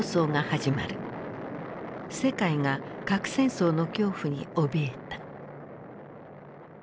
世界が核戦争の恐怖におびえた。